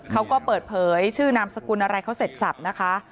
เขาก็เปิดเผยชื่อนามสกุลอะไรเขาเสร็จสับนะคะ